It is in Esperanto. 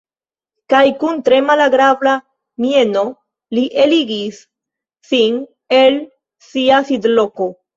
Kaj kun tre malagrabla mieno li eligis sin el sia sidloko.